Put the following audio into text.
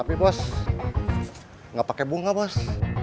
tapi bos gak pake bunga bos